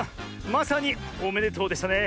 まさにおめでとうでしたね。